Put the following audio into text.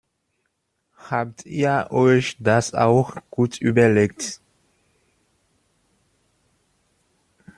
Habt ihr euch das auch gut überlegt?